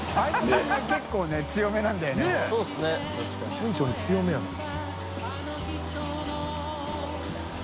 店長に強めやもん。